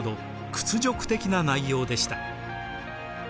屈辱的な内容でした。